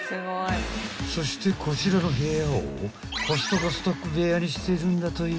［そしてこちらの部屋をコストコストック部屋にしてるんだとよ］